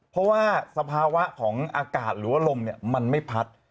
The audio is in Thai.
เพราะว่าสภาวะของอากาศหรือว่าลมมันไม่พัด